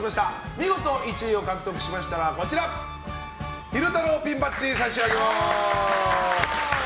見事１位を獲得しましたら昼太郎ピンバッジ差し上げます。